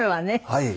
はい。